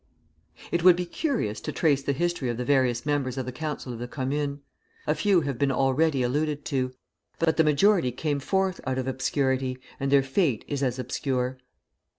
It would be curious to trace the history of the various members of the Council of the Commune. A few have been already alluded to; but the majority came forth out of obscurity, and their fate is as obscure.